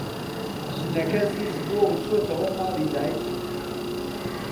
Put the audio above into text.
ژنەکە زیز بووە و چۆتەوە ماڵی دایکی.